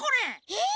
えっ！？